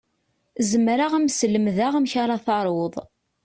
Zemreɣ ad m-slemdeɣ amek ara taruḍ.